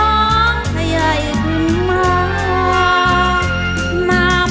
นางเดาเรืองหรือนางแววเดาสิ้นสดหมดสาวกลายเป็นขาวกลับมา